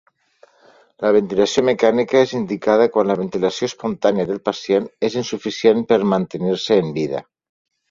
La ventilació mecànica és indicada quan la ventilació espontània del pacient és insuficient per mantenir-se en vida.